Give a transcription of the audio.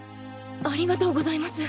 ありがとうございます。